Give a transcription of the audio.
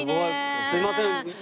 すいません